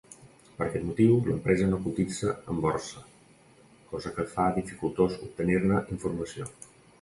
Per aquest motiu, l'empresa no cotitza en borsa, cosa que fa dificultós obtenir-ne informació.